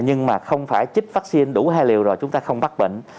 nhưng mà không phải chích vaccine đủ hai liều rồi chúng ta không bắt bệnh